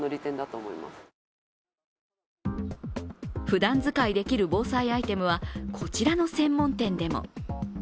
ふだん使いできる防災アイテムはこちらの専門店でも。